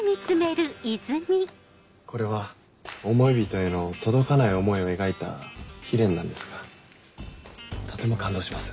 これは思い人への届かない思いを描いた悲恋なんですがとても感動します。